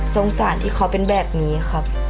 สงสารที่เขาเป็นแบบนี้ครับ